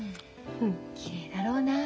きれいだろうな。